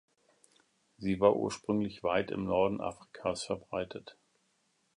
Sie war ursprünglich weit im Norden Afrikas verbreitet.